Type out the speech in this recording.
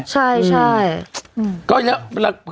ใช่